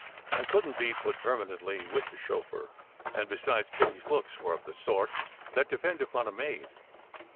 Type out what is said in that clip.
I couldn t be put permanently with the chauffeur; and, besides, Kitty s looks were of the sort that depend upon a maid.